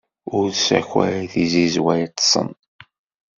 Ur ssakway tizizwa yiṭṭsen!